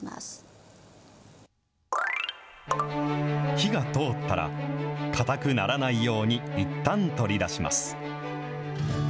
火が通ったら、硬くならないように、いったん取り出します。